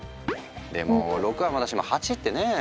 でも６はまだしも８ってねえ？